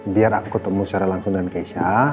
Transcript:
biar aku ketemu secara langsung dengan keisha